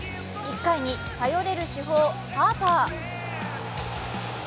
１回に頼れる主砲・ハーパー。